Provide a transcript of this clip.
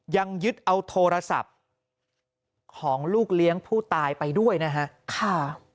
ยังยึดเอาโทรศัพท์ของลูกเลี้ยงผู้ตายไปด้วยนะฮะค่ะ